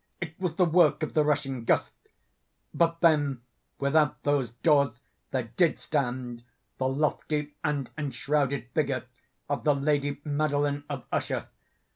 It was the work of the rushing gust—but then without those doors there did stand the lofty and enshrouded figure of the lady Madeline of Usher.